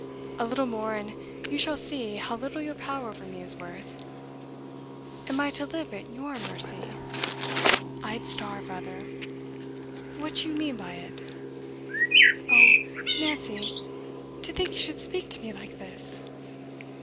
A little more, and you shall see how little your power over me is worth. Am I to live at your mercy! I'd starve rather. What do you mean by it?' 'Oh Nancy to think you should speak to me like this.